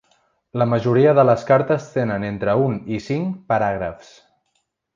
La majoria de les cartes tenen entre un i cinc paràgrafs.